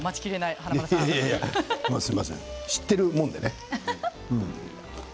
知っているもんでね。